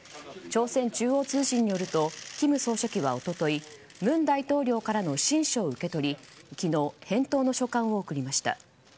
朝鮮中央通信によると金総書記は一昨日文大統領からの親書を受け取り昨日、返答の書簡を送りました。